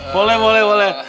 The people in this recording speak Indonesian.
boleh boleh boleh